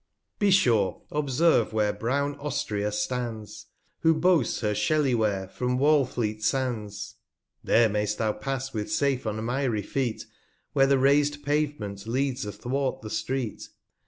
Be sure observe where brown Ostrea stands, 185 Who boasts her shelly Ware from Wallfleet Sands; 4 o There may'st thou pass, with safe unmiry Feet, Where the rais'd Pavement leads athwart the Street.